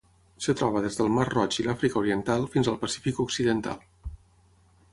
Es troba des del Mar Roig i l'Àfrica Oriental fins al Pacífic occidental.